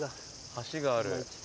橋がある。